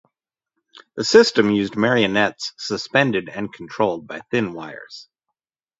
The system used marionettes suspended and controlled by thin wires.